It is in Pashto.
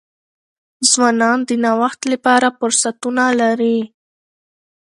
ځوانان د نوښت لپاره فرصتونه لري.